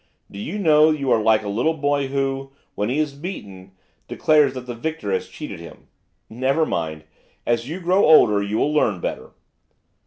Do you know you are like a little boy who, when he is beaten, declares that the victor has cheated him. Never mind! as you grow older, you will learn better.